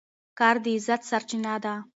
کار د عزت سرچینه ده.